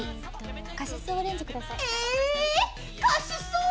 カシスオレンジ下さい。